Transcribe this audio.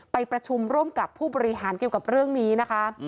ไปประชุมร่วมกับผู้บริหารเกี่ยวกับเรื่องนี้นะคะ